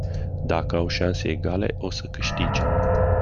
Dacă au șanse egale, o să câștige.